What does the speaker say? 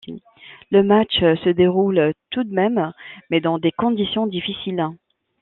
Le match se déroule tout de même mais dans des conditions difficiles.